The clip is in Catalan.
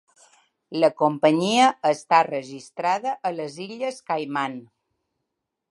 La companyia està registrada a les Illes Caiman.